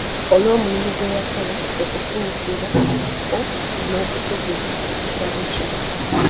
Olw’omulimu gwe yakola okusunsula ko n’okutegeka ekitabo kino.